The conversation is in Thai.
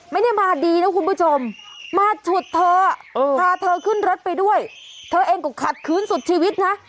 ไม่ได้มาดีนะคุณผู้ชมมาฉุดเธอพาเธอขึ้นรถไปด้วยเธอเองก็ขัดคืนสุดชีวิตนะ